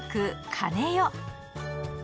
かねよ